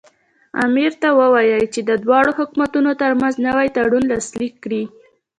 امیر ته ووایي چې د دواړو حکومتونو ترمنځ نوی تړون لاسلیک کړي.